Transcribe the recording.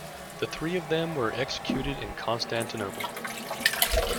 The three of them were executed in Constantinople.